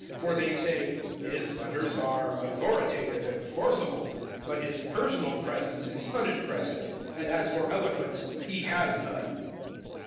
010:010 For they say "His letters are authoritative and forcible, but his personal presence is unimpressive, and as for eloquence, he has none."